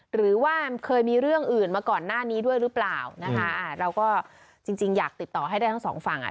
หรือว่าเคยมีเรื่องอื่นมาก่อนหน้านี้ด้วยหรือเปล่านะคะอ่าเราก็จริงจริงอยากติดต่อให้ได้ทั้งสองฝั่งอ่ะ